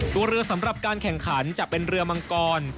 ตัวเรือสำหรับการแข่งขันจะเป็นเรือมังกร